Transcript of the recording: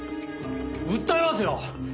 訴えますよ！